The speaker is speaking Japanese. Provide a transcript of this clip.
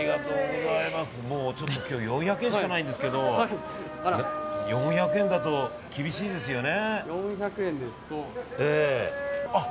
今日、４００円しかないんですが４００円だと厳しいですよね。